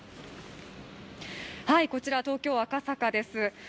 こちら東京・赤坂です。